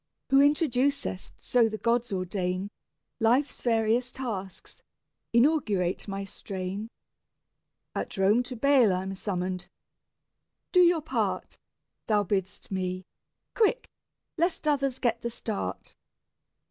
Who introducest, so the gods ordain, Life's various tasks, inaugurate my strain. At Rome to bail I'm summoned. "Do your part," Thou bidd'st me; "quick, lest others get the start."